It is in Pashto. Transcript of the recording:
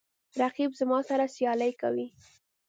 رقیب زما سره سیالي کوي